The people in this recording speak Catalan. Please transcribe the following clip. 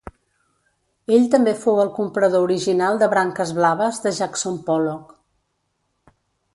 Ell també fou el comprador original de Branques blaves de Jackson Pollock.